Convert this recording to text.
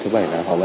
thì là thứ bảy